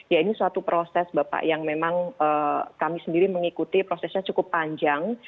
ya ini suatu proses bapak yang memang kami sendiri mengikuti prosesnya cukup panjang